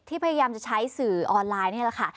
พยายามจะใช้สื่อออนไลน์นี่แหละค่ะ